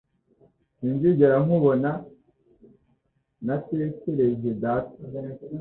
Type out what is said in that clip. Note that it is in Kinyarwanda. Sinzigera nkubona ntatekereje data.